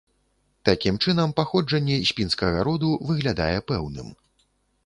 Такім чынам, паходжанне з пінскага роду выглядае пэўным.